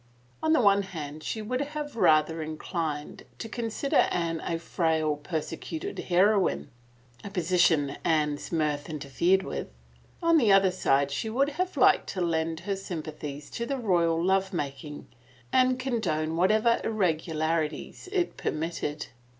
On the one hand she would have rather inclined to consider Anne a frail, persecuted heroine — a supposi tion Anne's mirth interfered withl — on the other she would have liked to lend her sympathies to the royal love making and condone whatever irregularities it per mitted.